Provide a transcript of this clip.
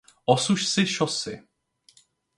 Osuš si šosy.